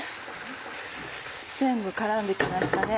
全部絡んで来ましたね。